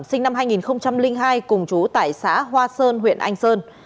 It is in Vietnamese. sinh năm hai nghìn hai cùng chú tại xã hoa sơn huyện anh sơn